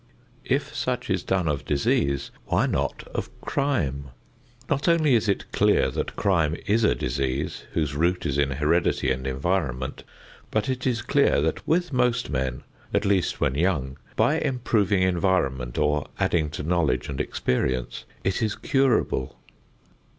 If such is done of "disease," why not of "crime"? Not only is it clear that crime is a disease whose root is in heredity and environment, but it is clear that with most men, at least when young, by improving environment or adding to knowledge and experience, it is curable.